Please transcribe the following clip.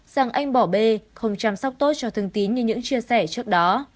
rằng anh bỏ bê không chăm sóc tốt cho thương tín như những chia sẻ trước đó